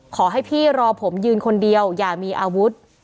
ขอให้พี่รอผมยืนคนเดียวอย่ามีอาวุธ